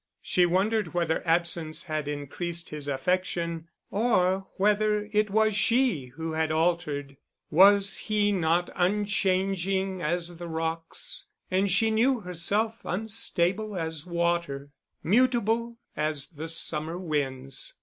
She wondered whether absence had increased his affection, or whether it was she who had altered. Was he not unchanging as the rocks, and she knew herself unstable as water, mutable as the summer winds.